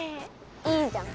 いいじゃん。